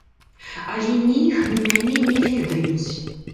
Але ні іх, ні мяне не ведаюць.